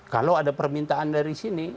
kalau ada permintaan dari sini